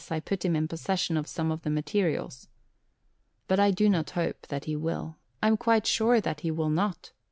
I put him in possession of some of the materials. But I do not hope that he will, I am quite sure that he will not, make use of them.